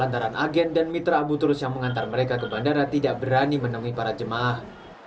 antara agen dan mitra abu turus yang mengantar mereka ke bandara tidak berani menemui para jemaah